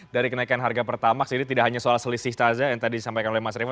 dari kenaikan harga pertamax ini tidak hanya soal selisih tazah yang tadi disampaikan oleh mas revo